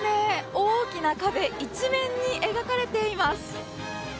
大きな壁一面に描かれています。